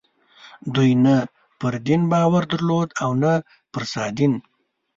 دوی نه پر دین باور درلود او نه پر سادین.